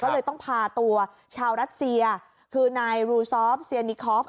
ก็เลยต้องพาตัวชาวรัสเซียคือนายรูซอฟเซียนิคอฟ